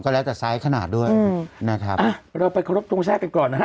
ก็แล้วแต่ไซส์ขนาดด้วยอืมนะครับอะเราไปเคราะห์ตรงแช่กันก่อนนะฮะ